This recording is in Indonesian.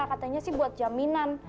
katanya sih buat jaminan